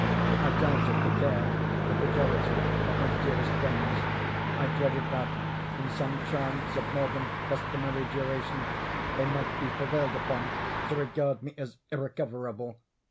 I doubted the care, the fidelity of my dearest friends. I dreaded that, in some trance of more than customary duration, they might be prevailed upon to regard me as irrecoverable.